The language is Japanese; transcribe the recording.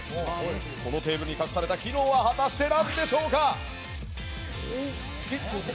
このテーブルに隠された機能は果たして何でしょう？